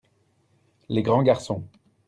les grands garçons.